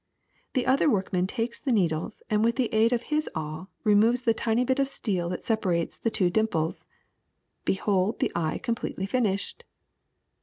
The other workman takes the needles and with the aid of his awl removes the tiny bit of steel that separates the two dimples. Behold the eye completely finished.